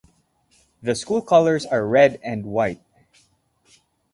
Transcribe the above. The school colors are red and white.